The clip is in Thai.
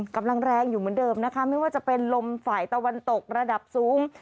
กำลังแรงอยู่เหมือนเดิมนะคะไม่ว่าจะเป็นลมฝ่ายตะวันตกระดับสูง